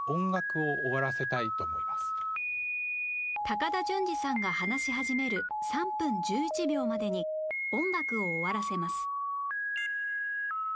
高田純次さんが話し始める３分１１秒までに音楽を終わらせます